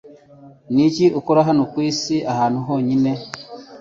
Niki ukora hano kwisi ahantu honyine?